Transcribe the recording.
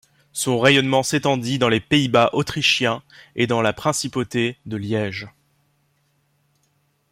Son rayonnement s'étendit dans les Pays-Bas autrichiens et dans la Principauté de Liège.